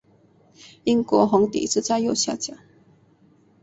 英国红底则在右下角。